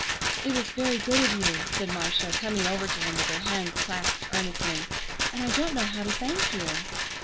"It was very good of you," said Marcia, coming over to him with her hands clasped earnestly, "and I don't know how to thank you."